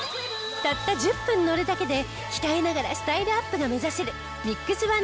たった１０分乗るだけで鍛えながらスタイルアップが目指せるミックス